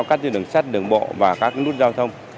các đường sắt đường bộ và các lút giao thông